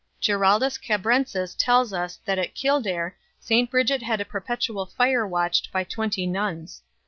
Giraldus Cambrensis tells us that at Kildare St Bridget had a perpetual fire watched by twenty nuns.